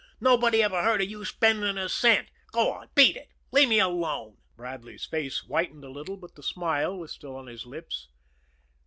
Nobody ever heard of you spending a cent. Go on beat it leave me alone!" Bradley's face whitened a little, but the smile was still on his lips.